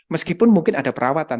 meskipun mungkin ada perawatan